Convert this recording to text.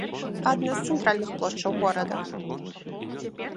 Адна з цэнтральных плошчаў горада.